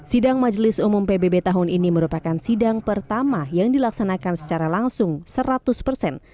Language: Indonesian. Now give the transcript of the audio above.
sidang majelis umum pbb tahun ini merupakan sidang pertama yang dilaksanakan secara langsung seratus persen